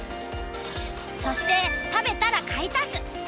そして食べたら買い足す。